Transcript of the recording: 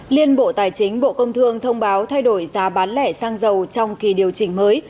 liên bộ tài chính bộ công thương thông báo thay đổi giá bán lẻ xăng dầu trong kỳ điều chỉnh mới